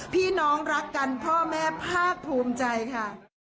พี่น้องรักกันพ่อแม่ภาคภูมิใจค่ะ